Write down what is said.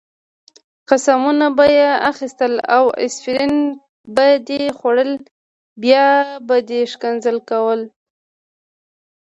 قسمونه به دې اخیستل او اسپرین به دې خوړل، بیا به دې ښکنځل کول.